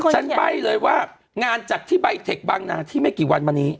ใบ้เลยว่างานจัดที่ใบเทคบางนาที่ไม่กี่วันมานี้